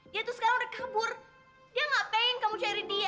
dia tuh sekarang udah kabur dia ngapain kamu cari dia